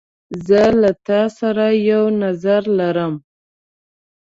زه له تا سره یو نظر لرم.